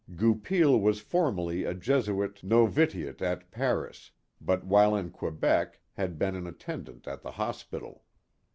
Goupil was formerly a Jesuit novitiate at Paris, but while in Quebec had been an attendant at the hospital.